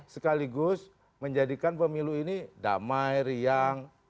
sekaligus menjadikan pemilu ini damai riang